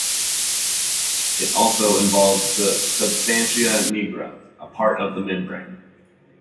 It also involves the substantia nigra, a part of the midbrain.